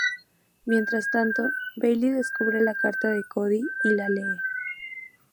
Mientras tanto, Bailey descubre la carta de Cody y la lee.